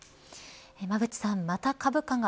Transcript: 馬渕さん、また株価が